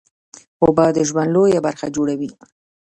اوبه د ژوند لویه برخه جوړوي